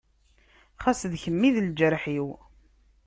Xas d kem i d lǧerḥ-iw.